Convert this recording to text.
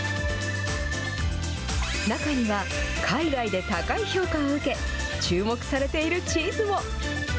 中には、海外で高い評価を受け、注目されているチーズも。